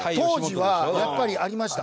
当時はやっぱりありました。